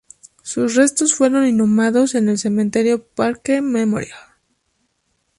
Sus restos fueron inhumados en el cementerio Parque Memorial.